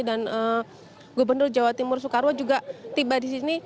dan gubernur jawa timur soekarwo juga tiba di sini